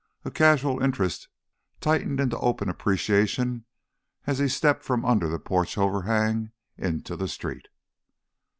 A casual interest tightened into open appreciation as he stepped from under the porch overhang into the street.